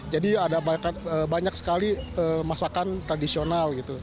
jadi ada banyak sekali masakan tradisional